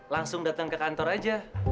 langsung datang ke kantor aja